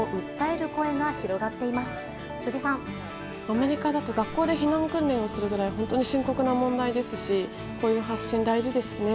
アメリカだと学校で避難訓練をするぐらい本当に深刻な問題ですしこういう発信は大事ですね。